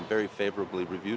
vì phong trào là